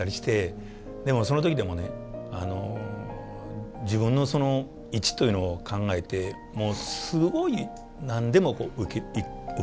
でもその時でもね自分のその位置というのを考えてもうすごい何でも受け入れる。